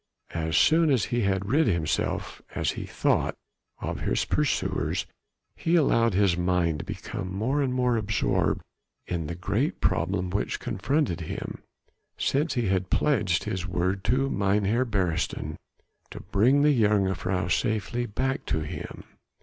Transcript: As soon as he had rid himself as he thought of his pursuers, he allowed his mind to become more and more absorbed in the great problem which confronted him since he had pledged his word to Mynheer Beresteyn to bring the jongejuffrouw safely back to him.